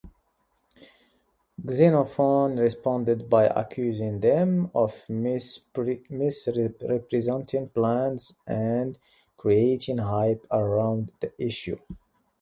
Xenophon responded by accusing them of misrepresenting plans and creating hype around the issue.